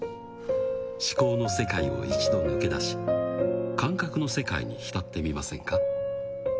思考の世界を一度抜け出し感覚の世界に浸ってみませんか？